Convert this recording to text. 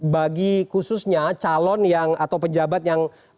bagi khususnya calon yang atau pejabat yang